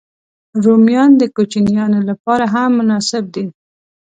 رومیان د کوچنيانو لپاره هم مناسب دي